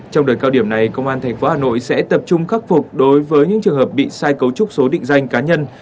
trong đợt cao điểm này công an tp hà nội sẽ tập trung khắc phục đối với những trường hợp bị sai cấu trúc số định danh cá nhân